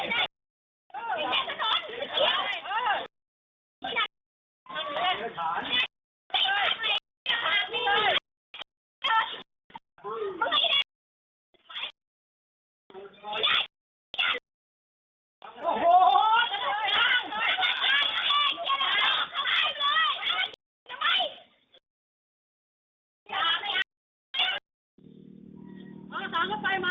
นี่เป็นเหตุการณ์ปัญหาเพื่อนบ้านอีกแล้วถนนเปียบก็เลยเป็นที่มาที่ทำให้เกิดการโตเถียงกันเกิดขึ้นในครั้งนี้ค่ะ